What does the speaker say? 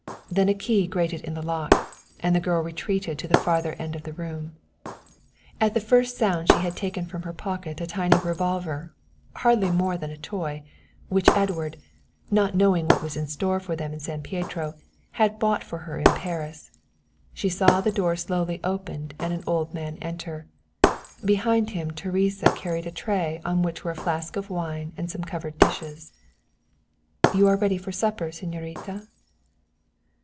Then a key grated in the lock, and the girl retreated to the farther end of the room. At the first sound she had taken from her pocket a tiny revolver, hardly more than a toy, which Edward, not knowing what was in store for them in San Pietro, had bought for her in Paris. She saw the door slowly opened and an old man enter. Behind him Teresa carried a tray on which were a flask of wine and some covered dishes. "You are ready for supper, señorita?"